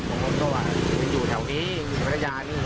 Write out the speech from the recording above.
บางคนก็ว่าอยู่แถวนี้อยู่ในปรัชญาณี